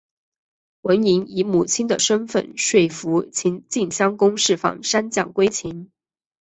文嬴以母亲的身分说服晋襄公释放三将归秦。